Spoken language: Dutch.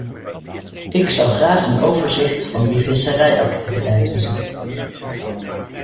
Ik zou graag een overzicht van die visserijactiviteiten zien.